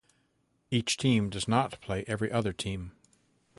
Each team does not play every other team.